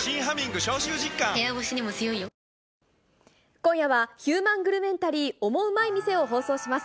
今夜は、ヒューマングルメンタリー、オモウマい店を放送します。